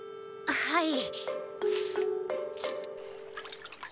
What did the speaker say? はい。